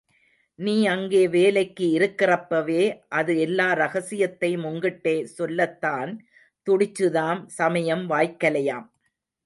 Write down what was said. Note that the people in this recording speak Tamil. நீ அங்கே வேலைக்கு இருக்கிறப்பவே அது எல்லா ரகசியத்தையும் உங்கிட்டே சொல்லத்தான் துடிச்சுதாம் சமயம் வாய்க்கலையாம்.